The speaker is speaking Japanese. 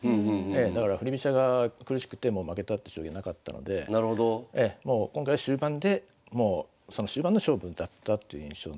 だから振り飛車が苦しくてもう負けたって将棋なかったので今回は終盤でもうその終盤の勝負だったという印象なので。